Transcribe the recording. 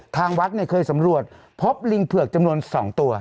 ทางวัดเนี่ยเคยสำรวจพบลิงเผือกจำนวน๒ตัว